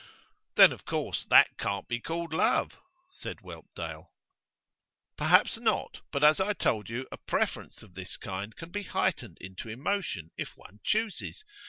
'Then of course that can't be called love,' said Whelpdale. 'Perhaps not. But, as I told you, a preference of this kind can be heightened into emotion, if one chooses.